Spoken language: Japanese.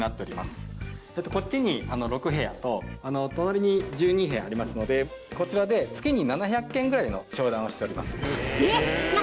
こっちに６部屋と隣に１２部屋ありますのでこちらで月に７００件ぐらいの商談をしております